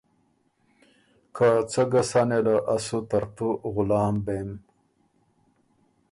که څۀ ګۀ سَۀ نېله از سُو ترتُو غلام بېم۔